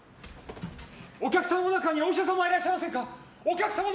お客さんの中にお医者さんはいらっしゃいませんか？